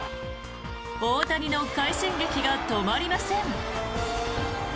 大谷の快進撃が止まりません。